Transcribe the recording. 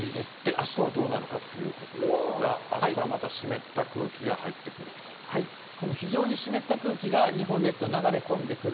あしたはどうなるかということですが、あしたはまた湿った空非常に湿った空気が日本列島に流れ込んでくる。